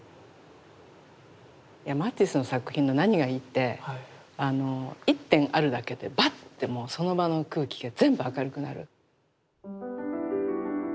マティスの作品の何がいいって１点あるだけでバッてもうその場の空気が全部明るくなる。